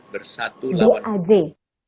bersatu lawan covid